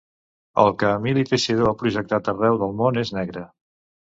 El que Emili Teixidor ha projectat arreu del món és negre.